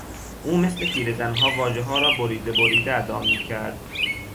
او مثل پیرزنها واژهها را بریده بریده ادا میکرد.